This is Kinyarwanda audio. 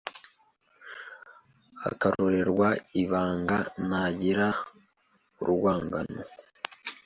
Akarorerwa Ibanga ntagira urwangano